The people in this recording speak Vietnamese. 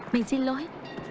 mình xin lỗi